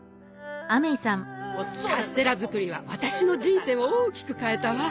カステラ作りは私の人生を大きく変えたわ。